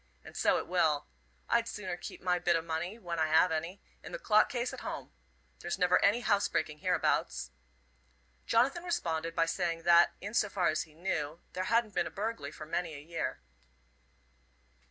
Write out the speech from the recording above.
And so it will. I'd sooner keep my bit o' money, when I have any, in the clock case at home. There's never any housebreaking hereabouts." Jonathan responded by saying that, in so far as he knew, there hadn't been a burglary for many a year.